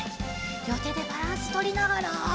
りょうてでバランスとりながら。